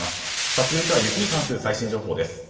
続いては雪に関する最新情報です。